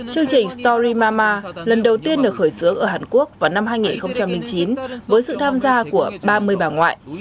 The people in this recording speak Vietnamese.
chương trình story mama lần đầu tiên được khởi xướng ở hàn quốc vào năm hai nghìn chín với sự tham gia của ba mươi bà ngoại